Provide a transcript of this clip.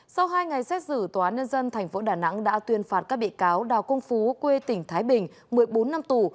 sau hai ngày xét xử tòa án nhân dân tp đà nẵng đã tuyên phạt các bị cáo đào công phú quê tỉnh thái bình một mươi bốn năm tù